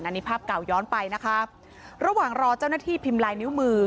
อันนี้ภาพเก่าย้อนไปนะคะระหว่างรอเจ้าหน้าที่พิมพ์ลายนิ้วมือ